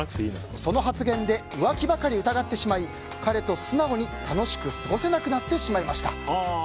その発言で浮気ばかり疑ってしまい彼と素直に楽しく過ごせなくなってしまいました。